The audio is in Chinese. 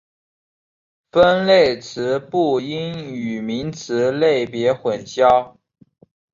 分类词不应与名词类别混淆。